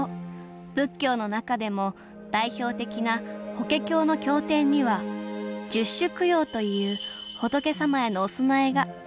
仏教の中でも代表的な「法華経」の経典には「十種供養」という仏様へのお供えが記されているそうです